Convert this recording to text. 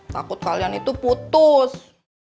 takut kalian itu putus